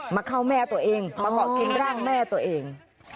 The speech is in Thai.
มาเข้าแม่ตัวเองประกอบกินร่างแม่ตัวเอง